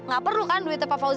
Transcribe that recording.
gak perlu kan duitnya papa yos